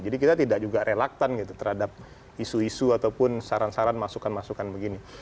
jadi kita tidak juga relaktan gitu terhadap isu isu ataupun saran saran masukan masukan begini